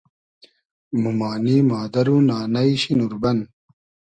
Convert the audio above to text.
مومانی ، مادئر و نانݷ شی نوربئن